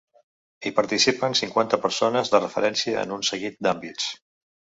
Hi participen cinquanta persones de referència en un seguit d’àmbits.